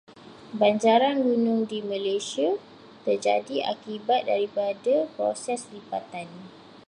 Banjaran gunung di Malaysia terjadi akibat daripada proses lipatan.